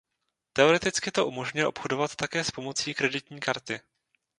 Teoreticky to umožňuje obchodovat také s pomocí kreditní karty.